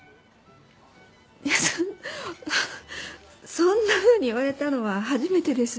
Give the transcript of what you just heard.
そんなふうに言われたのは初めてです。